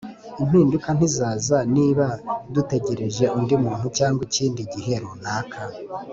“impinduka ntizaza niba dutegereje undi muntu cyangwa ikindi gihe runaka” .